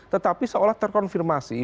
tetapi seolah terkonfirmasi